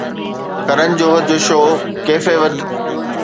ڪرن جوهر جو show Koffee with